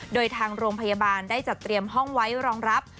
โดยทางโรงพยาบาลได้จัดเตรียมห้องไว้รองรับ